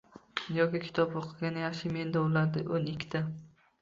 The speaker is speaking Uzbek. Yoki kitob oʻqigan yaxshi, menda ulardan oʻn ikkita.